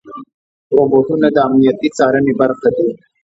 روبوټونه د امنیتي څارنې برخه دي.